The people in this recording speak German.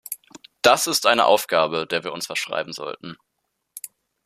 Das ist eine Aufgabe, der wir uns verschreiben sollten.